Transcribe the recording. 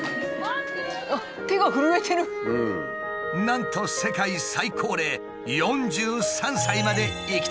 なんと世界最高齢４３歳まで生きた！